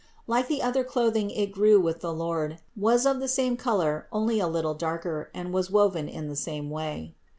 Like the other clothing it grew with the Lord, was of the same color, only a little darker and was woven in the same way.